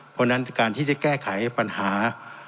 เพราะฉะนั้นการที่จะแก้ไขปัญหา